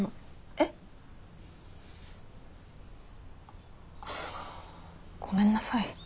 えっ？ごめんなさい。